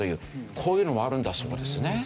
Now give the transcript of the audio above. こういうのもあるんだそうですね。